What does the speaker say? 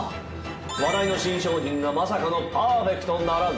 話題の新商品がまさかのパーフェクトならず。